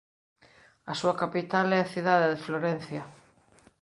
A súa capital é a cidade de Florencia.